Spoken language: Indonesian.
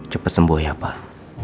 cepat sembuh ya pak